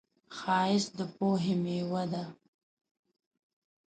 ښایست د پوهې میوه ده